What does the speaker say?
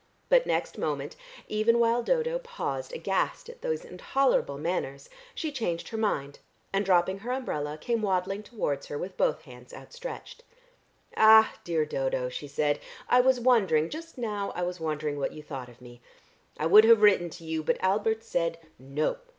But next moment, even while Dodo paused aghast at these intolerable manners, she changed her mind, and dropping her umbrella, came waddling towards her with both hands outstretched. "Ah, dear Dodo," she said, "I was wondering, just now I was wondering what you thought of me! I would have written to you, but Albert said 'No!'